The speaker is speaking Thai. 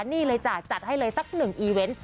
นี่เลยจ้ะจัดให้เลยสักหนึ่งอีเวนต์